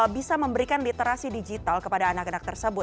bisa memberikan literasi digital kepada anak anak tersebut